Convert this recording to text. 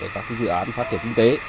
các dự án phát triển kinh tế